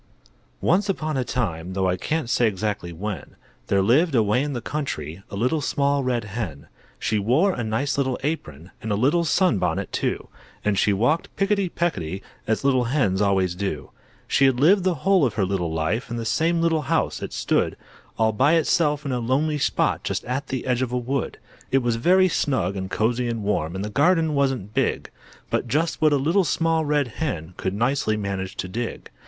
Once upon a time, Though I can't say exactly when, There lived, away in the country, A Little Small Red Hen. She wore a nice little apron, And a little sunbonnet too, And she walked picketty pecketty, As little Hens always do. She had lived the whole of her little life, In the same little house; it stood All by itself, in a lonely spot, Just at the edge of a wood. It was very snug and cosy and warm, And the garden wasn't big, But just what a Little Small Red Hen Could nicely manage to dig.